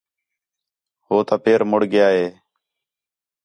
ہُو تا پیر مُڑ ڳِیا ہے